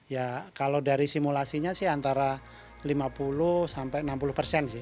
ya kalau dari simulasinya sih antara lima puluh sampai enam puluh persen sih